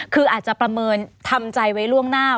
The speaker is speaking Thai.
คืออาจจะประเมินทำใจไว้ล่วงหน้า